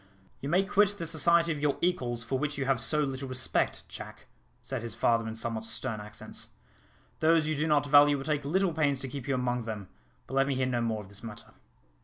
"You may quit the society of your equals, for which you have so little respect, Jack," said his father in somewhat stern accents; "those you do not value will take little pains to keep you among them; but let me hear no more of this matter.